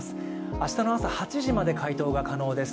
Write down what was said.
明日の朝８時まで回答が可能です。